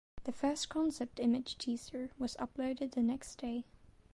The first concept image teaser was uploaded the next day.